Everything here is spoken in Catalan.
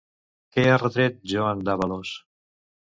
Què ha retret Joan d'Àbalos?